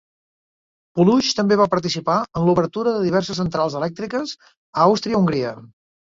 Puluj també va participar en l'obertura de diverses centrals elèctriques a Àustria-Hongria.